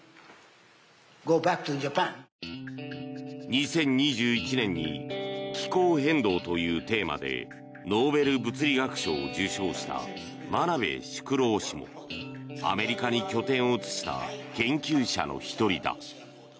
２０２１年に気候変動というテーマでノーベル物理学賞を受賞した真鍋淑郎氏もアメリカに拠点を移した研究者の１人だ。